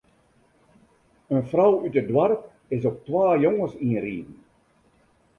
In frou út it doarp is op twa jonges ynriden.